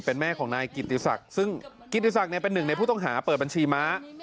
เป็นแม่ของนายกิติศักดิ์ซึ่งกิติศักดิ์เป็นหนึ่งในผู้ต้องหาเปิดบัญชีม้า